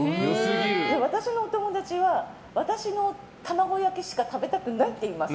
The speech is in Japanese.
私のお友達は、私の卵焼きしか食べたくないって言います。